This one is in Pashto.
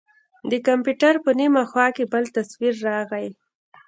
د کمپيوټر په نيمه خوا کښې بل تصوير راغى.